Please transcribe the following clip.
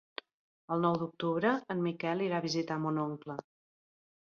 El nou d'octubre en Miquel irà a visitar mon oncle.